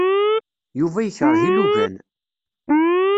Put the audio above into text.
Yuba yekṛeh ilugan.